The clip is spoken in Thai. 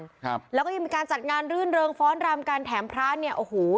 ครับแล้วก็ยังมีการจัดงานรื่นเริงฟ้อนรำกันแถมพระเนี่ยโอ้โห